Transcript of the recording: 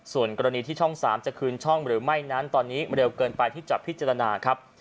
ส่วนกรณีที่ช่อง๓จะคืนช่องหรือไม่นั้นตอนนี้เร็วเกินไปที่จะพิจารณาครับ